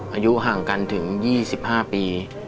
อายุห่างกันถึง๒๕ปี